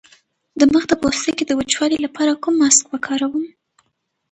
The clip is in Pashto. د مخ د پوستکي د وچوالي لپاره کوم ماسک وکاروم؟